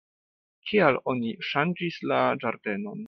Kial oni ŝanĝis la ĝardenon?